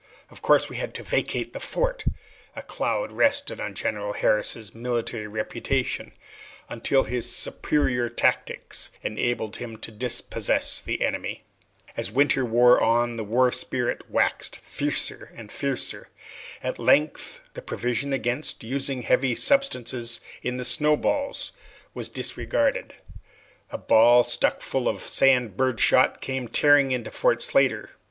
Of course we had to vacate the fort. A cloud rested on General Harris's military reputation until his superior tactics enabled him to dispossess the enemy. As the winter wore on, the war spirit waxed fiercer and fiercer. At length the provision against using heavy substances in the snow balls was disregarded. A ball stuck full of sand bird shot came tearing into Fort Slatter.